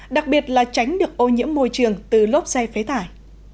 đặc biệt là tránh được ô nhiễm môi trường từ lốp xe phế thải